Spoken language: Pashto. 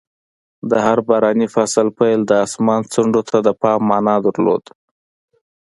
د هر باراني فصل پیل د اسمان ځنډو ته د پام مانا درلود.